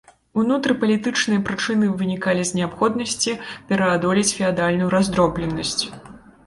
Унутрыпалітычныя прычыны вынікалі з неабходнасці пераадолець феадальную раздробленасць.